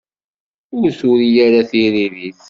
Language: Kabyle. Ur turi ara tiririt.